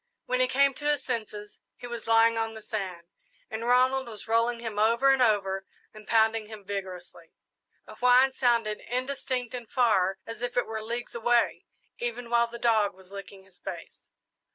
When he came to his senses he was lying on the sand, and Ronald was rolling him over and over and pounding him vigorously. A whine sounded indistinct and far, as if it were leagues away, even while the dog was licking his face.